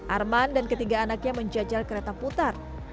arman dan ketiga anaknya menjajal kereta putar